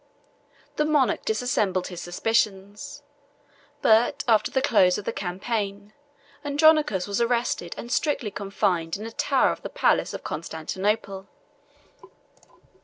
The monarch dissembled his suspicions; but, after the close of the campaign, Andronicus was arrested and strictly confined in a tower of the palace of Constantinople.